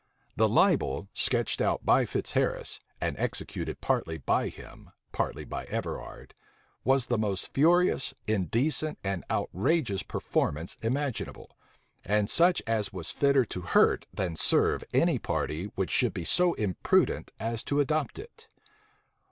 The libel, sketched out by Fitzharris, and executed partly by him, partly by Everard, was the most furious, indecent, and outrageous performance imaginable, and such as was fitter to hurt than serve any party which should be so imprudent as to adopt it.